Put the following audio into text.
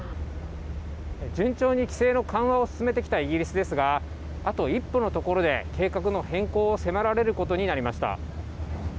順調に規制の緩和を進めてきたイギリスですが、あと一歩のところで計画の変更を迫られることになりました。